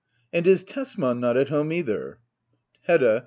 And is Tesman not at home either ? Hedda.